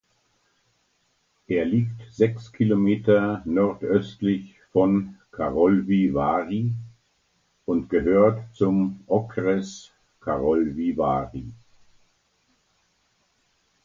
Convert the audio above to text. Er liegt sechs Kilometer nordöstlich von Karlovy Vary und gehört zum Okres Karlovy Vary.